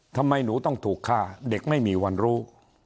ทำไมหนูต้องถูกฆ่าเด็กไม่มีวันรู้